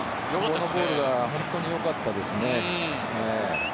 このゴールは本当によかったですね。